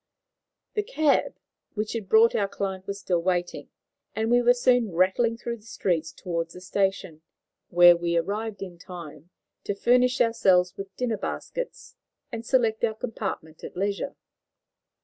The cab which had brought our client was still waiting, and we were soon rattling through the streets towards the station, where we arrived in time to furnish ourselves with dinner baskets and select our compartment at leisure.